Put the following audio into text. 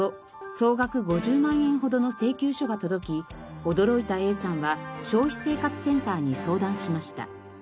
総額５０万円ほどの請求書が届き驚いたＡさんは消費生活センターに相談しました。